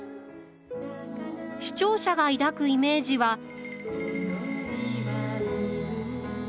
視聴者が抱くイメージは。